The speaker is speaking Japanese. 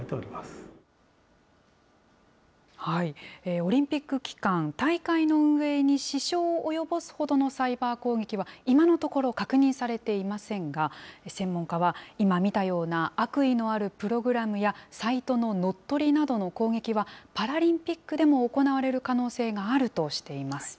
オリンピック期間、大会の運営に支障を及ぼすほどのサイバー攻撃は今のところ、確認されていませんが、専門家は、今見たような悪意のあるプログラムやサイトの乗っ取りなどの攻撃は、パラリンピックでも行われる可能性があるとしています。